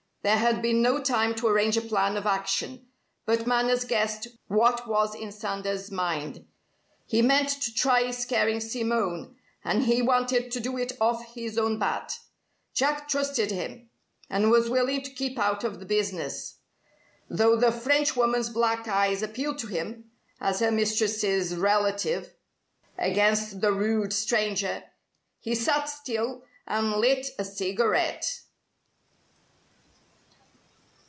There had been no time to arrange a plan of action, but Manners guessed what was in Sanders' mind. He meant to try scaring Simone; and he wanted to do it off his own bat. Jack trusted him, and was willing to keep out of the business. Though the Frenchwoman's black eyes appealed to him as her mistress's relative against the rude stranger, he sat still and lit a cigarette.